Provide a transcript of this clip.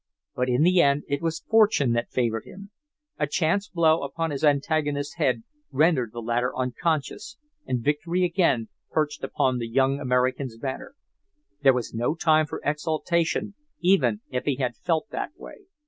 But in the end it was fortune that favored him. A chance blow upon his antagonist's head rendered the latter unconscious, and victory again perched upon the young American's banner. There was no time for exultation, even if he had felt that way.